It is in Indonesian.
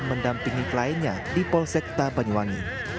mendampingi kliennya di polsek tapanyuwangi